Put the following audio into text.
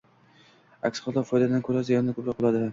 Aks holda, foydadan ko`ra ziyoni ko`proq bo`ladi